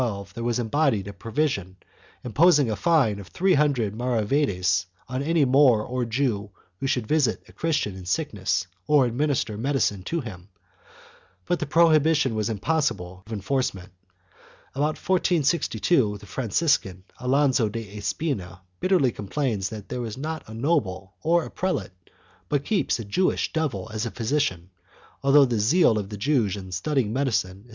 II] INFLUENCE OF THE CHURCH 75 in the prescriptive laws of 1412 there was embodied a provision imposing a fine of three hundred maravedis on any Moor or Jew who should visit a Christian in sickness or administer medicine to him,1 but the prohibition was impossible of enforcement. About 1462, the Franciscan, Alonso de Espina, bitterly complains that there is not a noble or a prelate but keeps a Jewish devil as a physician, although the zeal of the Jews in studying medicine is.'